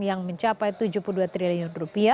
yang mencapai rp tujuh puluh dua triliun